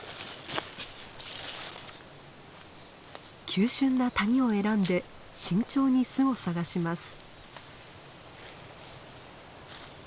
急しゅんな谷を選んで慎重に巣を探します。